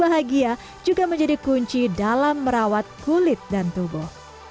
bahagia juga menjadi kunci dalam merawat kulit dan tubuh